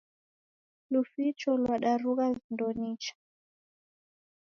Luficho lwadarugha vindo nicha.